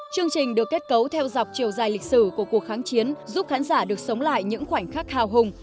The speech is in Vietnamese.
chương trình được kết cấu theo dọc chiều dài lịch sử của cuộc kháng chiến giúp khán giả được sống lại những khoảnh khắc hào hùng